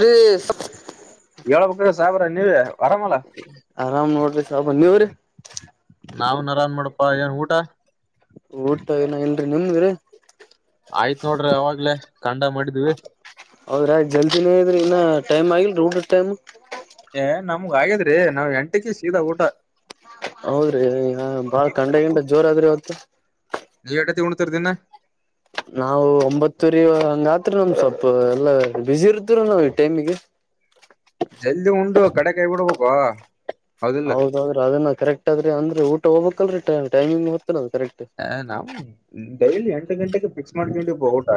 ಹೇ. ಏಳ್ಬಕ್ರಿ ಸಾಯಬ್ರ ನೀವೆ ಅರಾಮಲ. ಆರಾಮ್ ನೋಡ್ರಿ ಸಾಬ ನೀವ್ರಿ. ನಾವ್ನ್ ಆರಾಮ್ ಬಿಡಪ್ಪಾ ಏನ್ ಊಟ. ಊಟ ಇನ್ನು ಇಲ್ರಿ ನಿಮ್ದ್ರಿ. ಆಯ್ತ್ ನೋಡ್ರಿ ಅವಾಗ್ಲೆ ಕಂಡ ಮಾಡಿದ್ವಿ. ಹೌದ್ರಾ ಜಲ್ದಿನೇ ಎದ್ರಿ ಇನ್ನಾ ಟೈಮ್ ಆಗಿಲ್ರಿ ಊಟುದ್ ಟೈಮ್. ಏ ನಮ್ಗ್ ಆಗಿದ್ರಿ ನಾವ್ ಎಂಟಕೆ ಸೀದಾ ಊಟ. ಹೌದ್ರಿ ಹ್ಮಾ ಬಾಳ್ ಕಂಡಗಿಂಡ ಜೋರಾದ್ರಿ ಇವತ್ತು. ನಿವ್ ಎಟತೀಗ್ ಊಣ್ತಿರ್ ದಿನ. ನಾವು ಒಂಬತ್ತೂರಿ ಹಂಗಾತ್ರಿ ನಮ್ ಸ್ವಲ್ಪು ಎಲ್ಲಾ ಬ್ಯುಸಿ ಇರ್ತುರಿ ನಾವ್ ಈ ಟೈಮಿಗೆ. ಜಲ್ದಿ ಊಂಡು ಗಡ ಕೈ ಬುಡ್ಬಾಕೊ. ಹೌದೌದ್ರಿ ಅದೂನ ಕರೆಕ್ಟ್ ಅದ್ರಿ ಅಂದ್ರ ಊಟ ಹೋಗ್ಬೇಕಲ್ರಿ ಟೈಮ್ ಟೈಮಿಂಗ್ ಗೊತ್ತಿಲ್ ಅದು ಕರೆಕ್ಟ್. ಹೇ ನವು ಡೈಲಿ ಎಂಟ್ ಗಂಟೆಗೆ ಫಿಕ್ಸ್ ಮಾಡ್ಕೇಂಡಿವ್ ಪಾ ಊಟ.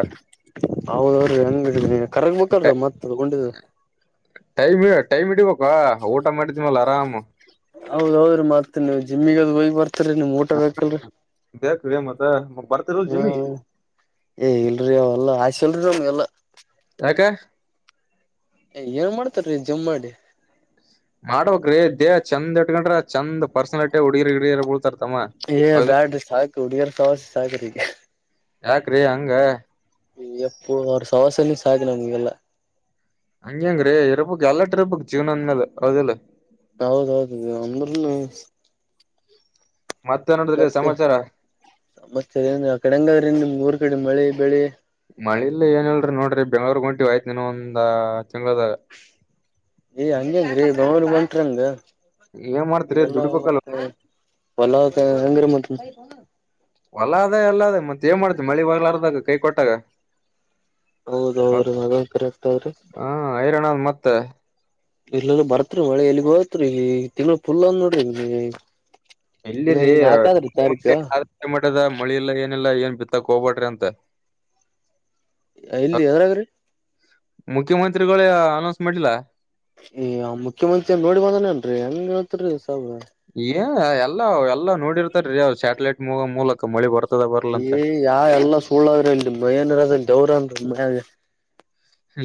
ಹೌದವದ್ರಿ ಹೆಂಗೆ ಕರಗ್ ಬಕಲ್ರಿ ಮತ್ ಅದ್ ಉಂಡಿದು. ಟೈಮೇ ಟೈಮ್ ಇಡಿಬಕ ಊಟ ಮಾಡಿದ್ಮೇಲ್ ಆರಾಮ್. ಹೌದೌದ್ರಿ ಮತ್ ನೀವ್ ಜಿಮ್ಮಿಗದ್ ಹೊಯ್ಗ್ ಬರ್ತೀರಿ ನಿಮ್ಗ್ ಊಟ ಬೇಕಿಲ್ರಿ. ಬೇಕ್ರಿ ಮತ್ತ ಮತ್ ಬರ್ತಿರೀಲ್ ಹಾ ಜಿಮಿಗೆ. ಏ ಇಲ್ರಿ ಅವಲ್ಲಾ ಆಸೀಲ್ರಿ ನಮ್ಗೆಲ್ಲಾ. ಯಾಕ. ಏನ್ ಮಾಡ್ತಾರೀ ಜಿಮ್ ಮಾಡಿ. ಮಾಡ್ಬಕ್ರೀ ದೇಹ ಚಂದ್ ಇಡ್ಕಂಡ್ರ ಚಂದ್ ಪರ್ಸನಲ್ಟಿ ಹುಡ್ಗಿರ್ ಗಿಡ್ಗಿರ್ ಬಳ್ತಾರ್ ತಮ್ಮ. ಏ ಹೌದು ಬ್ಯಾಡ್ರಿ ಸಾಕ್ ಹುಡ್ಗೇರ್ ಸಾವಾಸ ಸಾಕ್ರಿಗ. ಯಾಕ್ರಿ ಹಂಗ. ಅಯ್ಯಪ್ಪೋ ಅವ್ರ ಸವಾಸನೆ ಸಾಕ್ ನಮ್ಗೆಲ್ಲಾ. ಹಂಗೆಂಗ್ರಿ ಇರಬಕ್ ಎಲ್ಲಟ್ ಇರ್ಬಕ್ ಜೀವ್ನ ಅಂದ್ಮೇಲೆ ಅವೌದಿಲ್ಲ. ಹೌದೌದು ಅಂದ್ರೂನು. ಮತ್ತೆ ನಡದ್ರಿ ಮತ್ತೆ ಸಮಾಚಾರ. ಮತ್ತೆ ಏನ್ ಇಲ್ಲ ಅಕಾಡೆಗದ್ರಿ ನಿಮ್ ಊರ್ ಕಡಿ ಮಳಿ ಬೆಳಿ. ಮಳಿಲ್ಲ ಏನಿಲ್ ನೋಡ್ರಿ ಬೆಂಗಳೂರ್ಗ್ ಹೊಂಟಿವ್ ಆಯ್ತ್ ಇನೊಂದಾ ತಿಂಗ್ಳುದಾಗ. ಏ ಅಂಗೆಂಗ್ರಿ ಬೆಗಳೂರಿಗ್ ಬಂಟ್ರಂಗ ಏನ್ ಮಾಡ್ತೀರಿ ಇಲೆಲ್ಲ ದುಡಿಬೇಕಲ್ಲ ಮತ್ತ. ಒಲತ ಸಂಗ್ರ ಮ ಅಲ್ಲ ಅದೇ ಅಲ್ಲ ಅದೆ ಮತ್ತತ್ ಏನ್ ಮಾಡ್ತ ಮಳಿ ಬಾಗಲಾರದಾಗ ಕೈ ಕೊಟ್ಟಾಗ ಹೌದೌ್ರರಿ ಮಗಂತರ ಆಗ್ತಾವ್ರಿ ಹಾ ಹಐರರಣ್ ಮತ್ತೆ ಇಲ್ಲಲ್ಲ ಬರ್ತ್ೀ ಮಳೆ ಎಲ್ಲಿ ಹೋತ್ರಿ ತಿಂಗಳ ಫುಲ್ ಅಂದ್ ನೋಡ್ರಿ ಇನ್ನ ಈ ನಾಲ್ಕಾದ್ರೀ ತಾರೀಕು ಮ ಮಠದ ಮಳಿ ಇಲ್ಲ ಏನಿಲ್ಲ ಏನ್ ಬಿತ್ತಕ್ ಹೋಗ್ಬಾ್ರಿ ಅಂತ ಇಲ್ಲಿ ಯದ್ರ್ರಿ ಮುಖ್ಯಮಂತ್ರಿಗಳ ಅನೌನ್ಸ್ ಮಾಡ್ಲಿಲ್ಲಾ ಏ್್ ಮುಖ್ಯಮಂತ್ರಿ ನೋಡಿ ಬಂದಾನೇಏನ್ರರಿ ಹೆಂಗ್ ಹೇತ್ರಿೀ ಸಾಬ್ರ ಏ ಎಲ್ಲ ಎಲ್ಲಾ ನೋಡಿರ್ತಾರೀ್ ಸ್ಯಾಟಲೈಟ್ ಮೂಲಕ ಮಳಿ ಬರ್ತದ ಬರ್ಲಂತ ಏ ಯಾ ಎಲ್ಲಾ ಸುಳ್ಳಾದ್ರೆ ಇಲ್ಲಿ ಮಏನ ಇರದ ದವ್ರ ಅಂದ ಮಯೆ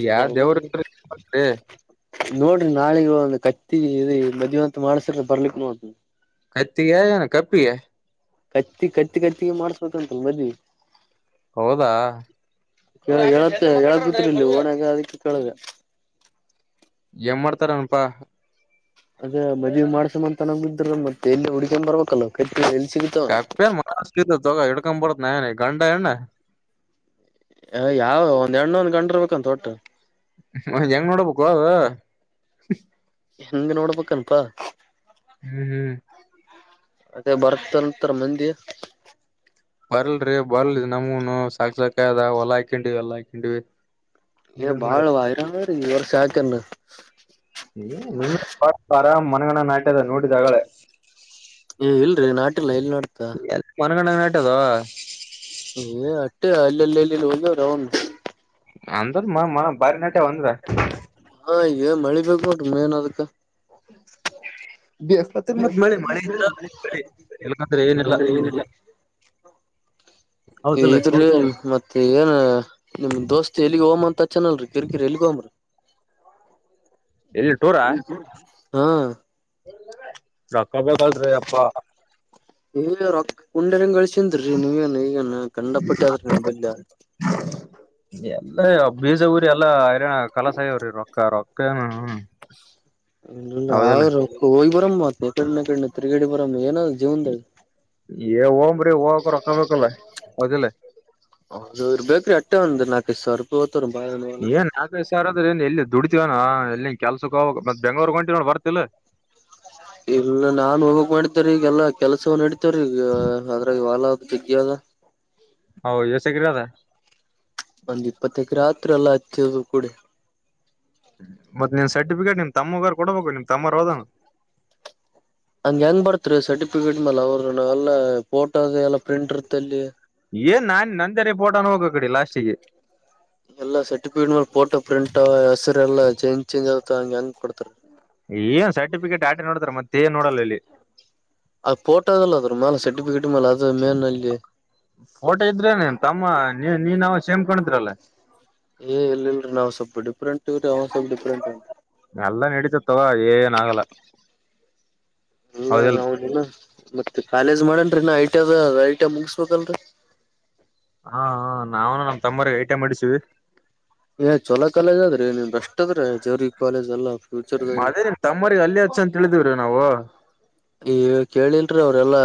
ಯಾವ ದೇವ್ರ ನೋಡ್ರಿ ನಾಳಗ ಒಂದು ಕತ್ತಿ ಮದುವೆ ಅಂತ ಮಾಡಸರ ಬರ್ಲಿಕ್ ನೋಡಿ ಕತ್ತಿ ಯ ಕಪ್ಪಿಯ ಕತ್ತಿ ಕತ್ತಿ ಕತ್ತಿಗೆ ಮಾಡ್ಸ್ಬೇಕಂತಲ್ ಮದ್ವಿ ಹೌದಾ ಹೇಳತ್ ಹೇಳದ ಬಿತ್ತರ್ ಇಲ್ಲಿ ಓಣಾಗ ಅದಕ್ಕೆ ಕೇಳದ ನ್ ಮಾಡ್ತಾರನಪಾ ಅದೇ ಮದ್ವಿ ಮಾಡ್ಸಮ್ಮಂತ ತನ ಇದ್ರ ಮತ್ತೆ ಎಲ್ಲಿ ಹುಡ್ಕೊಂಡ್ ಬರ್ಬೇಕಲ್ಲವ ಕೈತ್ರಿ ಎಲ್ಲಿ ಸಿಗುತ್ತ ಕಪ್ಪೆ ಎನ್ ಮನರ್ ಸಿಗ್ತಾವ ತೊಗೊ ಇಡ್ಕೊಮ್ ಬಡತ್ನೀ ನಾನೇ ಗಂಡ ಹೆಣ್ಣ ಅ ಯಾವ ಒಂದ್ಣ್ಣೊಂಣ್ಣು ಒಂದ್ ಗಂಡರ್ ಬೇಕಂತ ಒಟ್ಟು ಮ ಹೆಂಗ್ ನೋಡಬೇಕು ಹೋ ಅದು ಹೆಂಗ ನೋಡ್ಬೇಕನಪಾ ಹ್ಮ್ ಹ್ಮ್ ಅದೇ ಬರ್ತಂತರ್ ಮಂದಿ ಬರ್ಲ್ರರಿ ಬರ್ಲ್ ನಮಗನು ಸಾಕ ಸಾಕದ ಹೊಲ ಹಾಕಂಡಿವವಿ ಹೊಲ್ಲಾ ಹಾಕಂಡಿವವಿ ಏ ಬಾಳ್ ವೈರ ರ ಈ ವರ್ಷ ಯಾಕನ್ನು ನಿಮ್ದ ಆರಾಮ್ ಮನೆಗಣ ಆದ ನೋಡಿದಗಳೇ ಏ ಇಲ್ರಿೀ ನಾಟಿಲ್ಲಲ್ಲ ಇಲ್ಲಿ ನೋಡ್ತಾ ಎ ಮನಗೊಂಡ ನಟದು ಏ ಅಟ್ಟೆ ಅಲ್ಲಲ್ಲಿ ಎಲ್ಲಿಲ್ಲಿ ಹೋಗವ್ ರ ಅವನು ಅಂದ್ರದ ಮ ಬಾರಿ ನಟ್ಯ ಒಂದ್ರ ಹಾ ಗನ್ ಮಳಿ ಬೇಕು ಉಂಟು ಮ ಏನ್ ಅದಕ್ಕೆ ಬೇಸ್ಪತಿ ಮತ್ ಮಳೆ ಇದ್ರ ಬೆಳೆ ಇಳ್ಕಂದ್ರೆ ಏನಿಲ್ಲ ಇಲ್ಲ ಹೌದಲ್ಲ ಇದ್ರ ಮತ್ತೆ ಏನ್ ನಿಮ್ ದೋಸ್ತ್ ಎಲ್ಲಿಗ್ ಹೋಮ್ ಅಂತ ಹಚನಲ್ರಿ ಕಿರಿಕಿರಿ ಎಲ್ಲಿಗ್ ಹೋಗಂ ರಿ [inaudible] ಎನ್ ಟೂರ ಹಾ ರಕ್ಕ ಬೇಕಲ್ಪಾ ರಿ ಅಪ್ಪ [unintelligible] ಆದ್ರಿ ನಂಬಲ್ಲಿ ಹ ಎಲ್ಲ ಬೀಜ ಊರಿ ಎಲ್ಲಾ ರನ ಕಲಾಸಾಯವ್ರಿ ರೊಕ್ಕ ರೊಕ್ಕ ಹ್ಮ ಇ ಅವರು ಹೋಗಿ ಬರಮ್ಮ ಮ ಎಕಡೆ ಕಡೆ ಅನಾ ತೀರ್ಗ್ಯಾಡಿ ಬರಮ್ಮ ಏನ ಆದ ಜೀವನಾ ದಾಗ ಏ ಹೋಗ್ರಿ ಹೋಗಕೊಕ್ಕೊಬೇಕಲ್ಲ ಮೊದಲೆ ಹೌದ ಬೇಕ್ರೀ ಅಟ್ಟೆ ಒಂದು ನಾಲ್ಕೈದು ಸಾವಿರ ರೂಪಾಯ ಹೋಯ್ತು ಬಾಳಲ್ಲ ಏ ಸರ್ ಅ್ರ ಏ ಎಲ್ಲಿ ದುಡತಿವನಾ ಎಲ್ಲಿನ್ ಕೆಲ್ಸಕ್ಕೆ ಹೋಗ ಮತ್ತತ್ ಬೆಂಗಳೂರ್ಗ್ ಹೊಂಟ ನೋಡ್ ಬರ್ತಿಲ್ಲ ಇಲ್ಲ ನಾನ್ ಹೋಗಕ್ ಮಾಡಿದ್ದೇ ರಿ ಈಗೆಲ್ಲಾ ಕೆಲಸ ಅವು ನಡಿತವೀ ರಿ ಆದ್ರಗ ಹೊಲ ಜಗ್ಗಿ ಆದ ಹೌದಾ ಎಸ್ ಎಕರೆ ಅದ ಒಂದ್ ಇಪ್ಪತ್ತ ಎಕರೆ ಆದ ಅಲ್ಲಾ ಹಚ್ಚದು ಕೂಡ ಮತ್ತತ್ ನಿನ್ ಸರ್ಟಿಫಿಕೇಟ್ ನಿನ್ ರಿ ತಮ್ಮಗಾರ ಕೊಡ್ಬೇಕು ನಿನ್ ತಮ್ಮರು ಹೋದನು ಹಂಗ ಹೆಂಗ್ ಬರ್ತ್ರಿ ಸರ್ಟಿಫಿಕೇಟ್ ಮೇಾಲ ಅವರುಾವ ಎಲ್ಲ ಫೋಟೋ ಎಲ್ಲ ಪ್ರಿಂಟರ್ಲ್ಲಿ ಏನ್ ನಾನ್ ನಂದರಿ ಫೋಟಾನ ಹೋಗ ಕಡೆಡಿ ಲಾಸ್ಟ್ಗೆ ಎಲ್ಲಾ ಸರ್ಟಿಫಿಕೇಟ್ ಮ ಫೋಟೋ ಪ್ರಿಂಟ್ ಹೆಸರು ಎಲ್ಲ ಚೇಂಜ ಏನ್ ಸರ್ಟಿಫಿಕೇಟ್ ಆಟಿ ನೋಡ್ತಾರ ಮತ್ತೆನ್ ನೋಡಲ್ಲ ಇಲ್ಲಿ ಅ ಟೋದಲ್ಲ ಅದ್ರ ಮ್ಯಾಲ ಸರ್ಟಿಫಿಕೇಟ್ ಮೇಾಲ ಅದ ಮೇಲೆಲ್ಲಿ ಫೋಟೋ ಇದ್ರೆ ತಮ್ಮ ನೀ ನೀನ್ವವು ಸೇಮ್ ಕೊಂಡಿದ್ರಲ್ಲ ಏ ಇಲ್ರಿ ನಾ ಸ್ವಲ್ಪ ಡಿಫ್ರಂಟ್ ಅವ್ ಸ್ಲ್ಪ್ ಡಿಫ್ರಂಟ್ ಉಂರಿ ಎಲ್ಲಾ ನಡೀತತ್ತವ ಏನಾಗಲ್ಲ ಅಲ್ಲ ಯಾವದ ಮತ್ತೆ ಕಾಲೇಜ್ ಮಾಡನ್ರಿ ಇನ್ನ ಐ ಟಿ ಐ ಮುಗಿಸಸ್ಬೇಕಲ್ರರಿ ಹಾ ನಾವು ನಮ್ ತಮ್ಮ ಅವ್ರು ಐಟಿ ಐ ಮಾಡಿಸಿವಿ ಏ ಚಲೋ ಕಾಲೇಜ್ ಅದ್ರೀ ನೀನ್ ಬೆಸ್ಟ್ ಅದ್ರ ಜವರಿ ಕಾಲೇಜ್ ಎಲ್ಲ ಫ್ಯೂಚರ್ದಾಗ ತಮ್ಮೋರಿಗೆ ಅಲ್ಲಿ ಹಚ್ಚು ಅಂತ ಹೇಳಿದಿವ್ರೀ ನಾವು. ಈ ಕೇಳಿಲ್ರೀ ಅವ್ರೆಲ್ಲಾ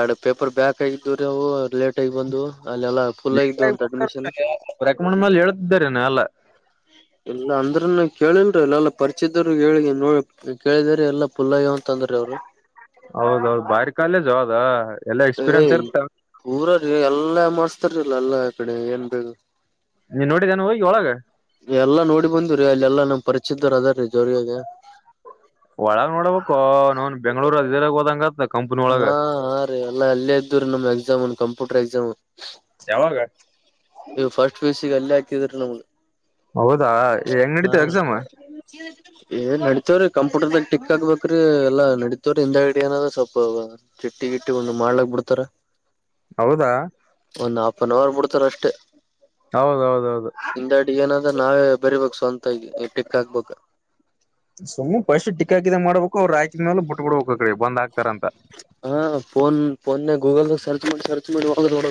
ಎರಡು ಪೇಪರ್ ಬ್ಯಾಕ್ ಆಗಿದವ್ರೀ ಅವು ಲೇಟ್ ಬಂದು ಅಲ್ಲೆಲ್ಲಾ ಫುಲ್ ಆಗಿದ್ದು ಅಂತ ಅಡ್ಮಿಷನ್ ರೆಕಮೆಂಡ್ ಮೇಲೆ ಹೇಳ್ತಿದ್ದೆ ನಾನೆಲ್ಲ ಇಲ್ಲಾ ಅಂದ್ರನ್ನ ಕೇಳಿಲ್ರ ಇಲ್ಲ ಪರಿಚಿದರು ಹೇಳಿ ನೋಡ ಈ ಕೇಳಿದ್ರ ಎಲ್ಲ ಪುಲ್ಲಯ್ಯವ ಅಂತ ಅಂದ್ರೀ ಅವ್ರು ಹೌದು ಹೌದುಅದು ಬಾರಿ ಕಾಲೇಜು ಅದು ಏ ಪೂರ ರೀ ಎಲ್ಲಾ ಮಾಡಸ್ತಾರಲ್ಲ ಎಲ್ಲಾ ಕಡೆ ಏನ್ ಬೇು ನೀನ್ ನೋಡಿದೆ ನೋಡಿ ಒಳಗೆ ಎಲ್ಲಾ ನೋಡಿ ಬಂದ್ರೀ ಅಲ್ಲಿ ಎಲ್ಲಾ ನಮ್ ಪರಿಚಿದರು ಅದ ರೀ ಜೋರಿಾಗ ಒಳಗ್ ನೋಡ್ಬೇಕು ನನ್ ಬೆಂಗ್ಳೂರು ಅದಿರಾಗ ಹೋದಂಗತ್ ಹಾ ಹಾ ರೀ ಎಲ್ಲಾ ಅಲ್ಲೇ ಇದ್ದ್ ರೀ ನಮ್ ಎಕ್ಸಾಮ್ನ್ ಕಂಪ್ಯೂಟರ್ ಎಕ್ಸಾಮ್ ಯಾವಾಗ ಇವ್ ಫಸ್ಟ್ ಪಿ ಯು ಸಿ ಗೆ ಅಲ್ಲೇ ಹಾಕಿದ್ರಿ ನಮ್ಗ್ ಹೌದಾ ಹೆಂಗ ನಡತ ಎಕ್ಸಾಮು? ಚ [unintelligible] ಏ ನಡತೇವ್ರೀ ಕಂಪ್ಯೂಟರ್ದಾಗ ಟಿಕ್ ಆಗ್ಬೇಕ್ರಿ ಎಲ್ಲಾ ನಡಿತೇವ್ರೀ ಹಿಂದಡಿಯಾನ ಸ್ವಲ್ಪ ಚಿಟ್ಟಿ ಗಿಟ್ಟಿ ಒಂದು ಮಾಡ್ಲಕ್ ಬಿಡ್ತಾರ ಹೌದಾ ಒಂದ್ ಹಾಫ್ ಅನ್ ಅವರ್ ಬಿಡ್ತಾರ್ ಅಷ್ಟೆ. ಹೌದೌದೌದು ಹಿಂದಾಡಿ ಏನಾದ್ರೆ ನಾವೇ ಬರೀಬೇಕಕ್ ಸ್ವಂತಾಗಿ ಟಿಕ್ ಹಾಕ್ಬೇಕಕ್ ಸುಮ್ಮನೆ ಫಸ್ಟ್ ಗೆ ಟಿಕ್ ಟಾಕ್ ಬಿಡಾಕು ಮಾಡಬೇಕು ಫೋನ್ನಲ್ಲಿ ಗೂಗಲ್ ಅಲ್ಲಿ ಸರ್ಚ್ ಮಾಡಿ ಹೋಗೋಣ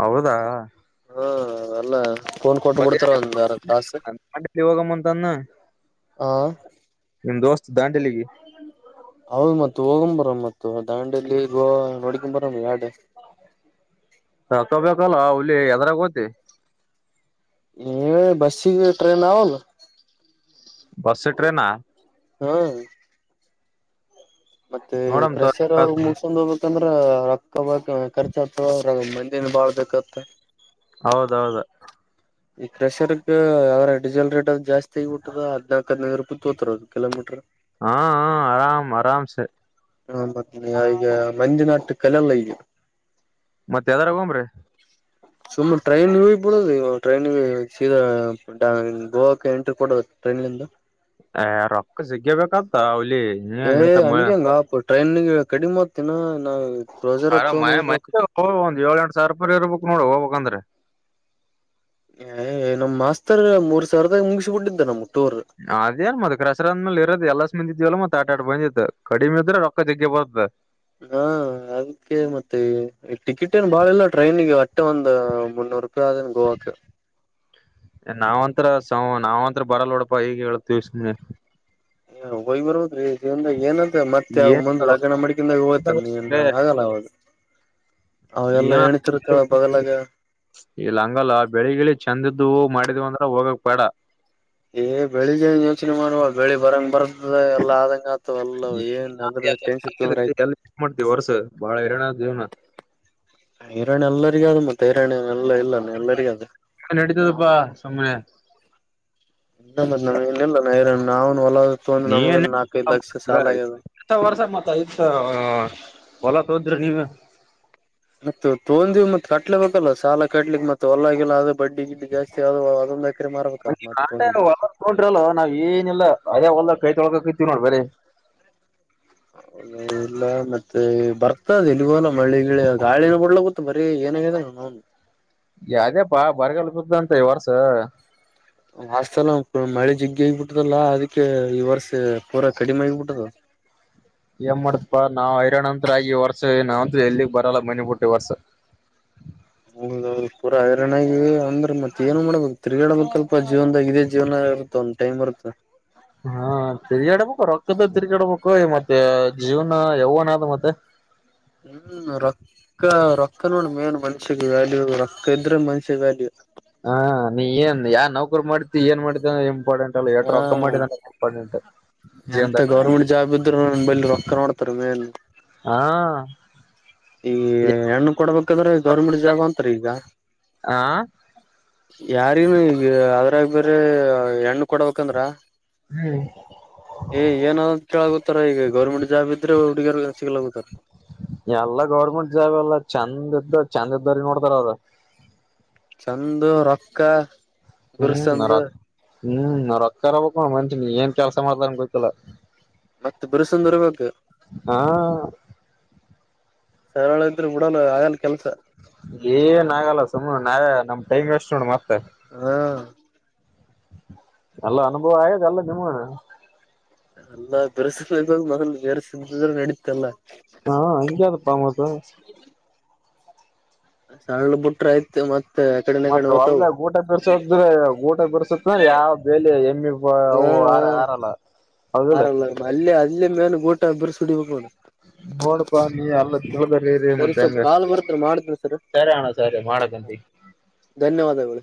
ಹೌದಾ ಹಾ ಅಲ್ಲ ಫೋನ್ ಕೊಟ್ಟು ಮತ್ತೆ ಬಿಡ್ತಾರೆ ನಿಮ್ ಒಂದೆರಡು ತಾಸು ದಾಂಡಲಿ ಹೋಗಮ್ಮಂತನ್ನ ನಿಮ್ಮ ದೋಸ್ತ್ ದಾಂಡೆಲಿಗೆ ಮತ್ತೆ ಓಂ ಭರಮ ಮತ್ತೆ ದಾಂಡೇ ಗೋವಾ ನೋಡ್ಕೊಂಡ್ ಬರೋಣ ಎರಡು ರೊಕ್ಕ ಬೇಕಲ್ಲ ಮೋದಿ ಎದುರಾಗಿ ಹೋಗ್ತಿ ನೀವೇ ಬಸ್ಸಿಗೆ ಬಿಟ್ಟರೆ ನಾನು ಬಸು ಟ್ರೈನ ಹಾ ಮತ್ತೆ ನೋಡಮ್ ಪ್ರಸಾರ ತಗೋ ಮತ್ತು ಚಂದ ಹೋಗ್ಬೇಕು ಯಾಕಂದ್ರ ರೊಕ್ಕ ಬಖರ್ಚ ಆತ ಮಂದನ್ ಬಾಳ್ ಬೇಕತ್ತೆ ಹೌದೌದು ಈಗ ಕ್ರಷರಿಗೂ ಡೀಸೆಲ್ ರೇಟ್ ಜಾಸ್ತಿಯಾಗಿದೆ ಹದ್ಲ್ಕ ಹದಿನೈ ಅಂತಾರೆ ಕಿಲೋಮೀಟರ್ಗೆ ಹಾ ಹ ಆರಾಮ ಆರಾಮಸ ಈ ಬಗ್ಗೆ ಮಂಜಣ್ಣ ಅಟ್ ಕಳೆಯೋದಿಲ್ಲ ಮತ್ತ ಎದುರಿಗೆ ಹೋಗನ್ರೀ ಸುಮ್ಮನೆ ಟ್ರೈನಿಗೆ ಹೋಗುವುದಲ್ಲ ಟ್ರೈನಿಗೆ ಗೋವಾಕ್ಕೆ ಎಂಟ್ರಿ ಕೊಡುವದು ಟ್ರೈನ್ಂದು ಆ ರೊಕ್ಕ ಸಿಗ್ಬೇಕಂತ ಅವಲ್ಲಿ ಏ ಹಂಗಗ ಟ್ರೈನಿಗೆ ಕಡಿಮೆ ಆಗ್ತಿನ ರೋಜರ್ ತಂದು ಹೋದ್ರೆ ಹೋ ಒಂದು ಏಳ್ ಎಂದು ಸರ್ಪರ್ ಇರ್ಬೇಕ ನೋ ಹೋಗಬೇಕಂದ್ರೆ ಏ ನಮ್ ಮಾಸ್ತರ್ ಮೂರ್ ಸಾವಿರದಾಗ ಮುಗಿಸಬಿಟ್ಟಿದ್ದ ನಮ್ ಟೂರ್ ಅದೇನ್ ಮತ್ತತ್ ಕಸರದಂದ ಮೇ ಇರೋದ ಎಲ್ಲಾಸ್ಂದಿದವಲ್ಲ ಮತ್ತತ್ ಆಟ ಆಟ ಬಂದಿತ್ ಕಡಿಮೆ ಇದ್ರೆ ರೊಕ್ಕದಕ್ಕೆ ಬರ್ತ್ತತ್ ಹ್ಮ ಅದಕ್ಕೆ ಮತ್ತೆ ಈ ಟಿಕೆಟ್ ಏನು ಬಾಳ ಇಲ್ಲ ಟ್ರೈನ್ಿಗೆ ಅಟ್ಟೆ ಒಂದ್ ಮುನ್ನೂರು ರೂಪಾಯಿ ಆದೇ ಗೋವಾಕ್ಕೆ ನಾವ್ಂತ್ರ ಸ ನಾವಂತ್ರ ಬರಲ್ಲ ನೋಡಪ್ಪಾ ಈಗ ಹೇಳಿವ ಹೋಗಿ ಬರೋದ್ರೀ ಜವನ್ ಏನದ ಮತ್ತೆ ಯ ಏನ್ ಮುಂದ್ ಲಗಣ ಮಾಡ್ಿಕಿಂದಾಗ ಹೋಗ ನೀ ಆಗಲ್ಲ ಹೌದು ಅವೆಲ್ಲ ಏನ ಹತಿರುತ್ತಳ ಬಗಲಾಗ ಇಲ್ಲ ಹಂಗಲ್ಲ ಬೆಳಿಗಿಳಿ ಚಂದಿದ್ದು ಮಾಡಿದ್ ಅಂದ್ರ ಹೋಗಕ್ ಬೇಡ ಏ್ಳಿಗ್ ಏನ್ ಯೋಚನೆ ಮಾಡುವ ಬೆಳಿ ಬರಂಗ ಬರ ಎಲ್ಲ ಆದಂಗ ಆತವ ಎಲ್ಲ ಏನ್ ಅದ್ರದ್ದ ಟೆನ್ಷನ್ ತೊಂದ್ರ ಆಯ್ತು ಮಾಡ್ತತಿವಿ ವರ್ಸ ಬಾಳ ಎರಣಡ ಜೀವನ ಹಿರರಣಾಣ್ಯ ಎಲ್ಲರಿಗ ಅದು ಮತ್ತೆ ಹಿರಾಣ್ಯ ಎಲ್ಲ ಇಲ್ಲ ಎಲ್ಲರಿಗ ಅದು ನಡೀತದಪ್ಪಾ ಸುಮಮ್ಮನೆ ಇತ್ ನಮ್ ಇನ ಇಿಲ್ಲ ನ ನಾ್ ಹೊಲ ತೊ್ರ ನಮ್ಗ ನಾಲ್ಕೈದು ಲಕ್ಷ ಸಾಲ ಆಗ್ಯದ ಸ ವರ್ಸ ಮತ್ತ ಇಯತ್ ಹೊಲ ತ ಹೋದ್ರೆ ನೀವ ಮತ್ತ ತೋೊಂಡಿವ ಮತ್ ಕಟ್ಲೆಬೇಕಲ್ಲ ಸಾಲ ಕಟ್ಲಿಕ್ ಮತ್ತ ಹೊಲಗಲ್ಲ ಅದ ಬಡ್ಡಿ ಗಿಡ್ಡಿ ಜಾಸ್ತಿ ಆದದು ಅದೊಂದು ಎಕರೆ ಮಾರ್ಬೇಕತ್ ಮತ್ತ ತೊೊಂಡಿದ್ದು ನೋಡ್ರ ಅಲ್ ನಾವವು ಏನಿಲ್ಲ ಅದೇ ಹೊಲ್ಲದ ಕೈ ತೊಳ್ಕ ಇತಿವವಿ ನೋಡ್ ಬ್ರಿ ಲ್ಲ ಇಲ್ಲ ಮತ್ತೆ ಬರ್ತದ ಇಲ್ಲಿಗೋ ಅಲ್ಲ ಮಳ್ಳಿ ಗಾಳಿನ ಬಿಡ್ಲ ಗೊತ್ತು ಬರೀ ಏನಾಗಾಗಿದೆ ನ ಅದೇ ಅಪ್ಪ ಬರಗಾಲ ಬಂತು ಈ ವರ್ಷ ವಾಸ್ತಲ್ಲ ಮಳೆ ಜಿಗ್ಗಿ ಆಗಬಿಟ್ಟದಲ್ಲ ಅದಕ್ಕೆ ಈ ವರ್ಷ ಪೂರಾ ಕಡಿಮೆ ಆಗಬಿಟ್ಟದ ಏನ್ ಮಾಡತ್ಪ್ಪಾ ನಾವ್ ಹೈರಾಣ ಅಂತ ಆಗಿ ವರ್ಷ ಏಾವ ಅಂತ ಎಲ್ಲಿಗೆಗ್ ಬರಲ್ಲ ಮನೆಿ ಬಿಟ್ಟಿ ವರ್ಷ [inaudible] ಅ ಪೂರ ಹಗಿರಣ ಆಿ ಅಂದ್ರೆ ಮತ್ತತ್ ಏನು ಮಾಡ್ಬೇಕು ತಿರುಗಾಡಬೇಕ ಅಲ್ಪ ಜೀವನ್ದಾಗ ಇದೇ ಜೀವನ ಇರುತ್ತೆ ಒಂದು ಟೈಮ್ ಬರುತ್ತೆ ಹಾ ತಿರ್ಗಾಡಬೇಕು ರೊಕ್ತದ ತಿರ್ಗಾಡಬೇಕು ಮತ್ತೆ ಜೀವನ ಯಾವನ್ ಅದು ಮತ್ತೆ ಹ್ಮ್ ರೊಕ್ಕ ರೊಕ್ಕ ನೋಡ ಮೇನ್ ಮನ್ಷಿಗೆ ವ್ಯಾಲ್ಯೂ ರೊಕ್ಕ ಇದ್ರೆ ಮನ್ಷಗ್ ವ್ಯಾಲ್ಯೂ ಹಾ ನೀ ಏನ್ ಯಾವ ನೌಕರು ಮಾಡ್ತಿ ಏನ್ ಮಾಡ್ತಿ ಇಂಪಾರ್ಟೆಂಟ್ ಏಟ್ರರು ಅಕ್ಕ ಹಾ ಮಾಡಿದ ಇಂಪ್ಟೆಂಟ್ ಎಂತ ಜೀವನದಲ್ಲಿ ಗೌರ್ಮೆಂಟ್ ಜಾಬ್ ಇದ್ರರು ನ ಬಲ್ ರೊಕ್ಕ ಮಾಡೋತಾರೆ ಮೇಲೆ ಹಾ ಈ ಹೆಣ್ಣು ಕೊಡ್ಬೇಕಾದ್ರೆ ಗೌರ್ಮೆಂಟ್ ಜಾಬ್ ಅಂತರಿ ಈಗ ಆ ಯಾರನು ಈ ಅದ್ರಾಗ ಬೇ್ರ ಹೆಣ್ಣ ಕೊಡಬೇಕಂದ್ರ ಹ್ಮ್ ಏ ಏಾದ ಕೇಳಳಗುತ್ತಾರ ಈಗ ಗೌರ್ಮೆಂಟ್ ಜಾಬ್ ಇದ್ರೆ ಹುಡುಗರು ಸಿಗ್ಲಾಗುತ್ತಾರ ಎಲ್ಲ ಗೌರ್ಮೆಂಟ್ ಜಾಬ್ ಎಲ್ಲ ಚೆಂದ ಇದ್ದ ಚಂದ ಇದ್ದ್ರ ನೋಡ್ತಾರ ಅವ್ರ ಚಂದು ರೊಕ್ಕ ಹ್ಮ್ ಬಿರ್ಸಂದ ನತ್ ಹ್ಮ್ ನಾವತ್ಕಾರಬಕ್ ಮಷ ಏನ್ ಕೆಲ್ಸ ಮಾಡ್ಲನ್ ಗೊಲ್ಲ ಮತ್ತ ಬಿರ್ಸುಂದರ್ಬೇಕ ಹಾ ನನ್ ಇದ್ರರು ಬಿಡ ಆಗಲ್ಲ ಕೆಲ್ಸ ಏನ್ ಆಗಲ್ಲ ಸುಮ್ಮ್ ನಾವ ನಮ್ ಟೈಮ್ ವೇಸ್ಟ್ ನೋಡ ಮತ್ತೆ ಹಾ ಎಲ್ಲ ಅನುಭವ ಆಯದ ಎಲ್ಲ ನಿಮ ಅಲ್ಲಾ ಬೆರೆಸಬೇಕ ಮೊಲ್ ಬೆರೆಸ್ರೆ ನಡೀತಲ್ಲ ಹಾ ಹ ಆದ ಪಾ ಮತ್ತ ಸಳ್ಳ ಬಿುಟ್ರ ಆಯ್ತು ಮತ್ ಮತ್ತ ಅಲ್ದ ಊಟ ಬಿರ್ಸೋದ್ರ ಊಟ ಬಿರ್ಸತ್ ಅಂದ್ರೆ ಯಾವ ಬೇಲಿ ಎಮ್ಮಿ ಅವು ಆರ ಆರಲ್ಲ ಹದಲ್ಲ ಅಲ್ಲಿೇ ಅದಲ್ಲಿ ಮೇನ್ ಗೋಟ ಇಬ್ಬರು ಸುಡಿಬೇಕುಣ. ನೋಡ್ಪಾ ನೀ ಅಲ್ಲ ತಿಳ್ದರಿರಿ ಸರಿ ಮತ್ತೆ ಸ್ವಲ್ಪ್ ಹೆಂಗ ಕಾಲ್ ಬರ್ತ್ರಿ ಮಾಡ್ತನಿ ಸರ್ ಸರಿ ಅಣ್ಣ ಸರಿ ಮಾಡಕಂತ ಧನ್ಯವಾದಗಳು.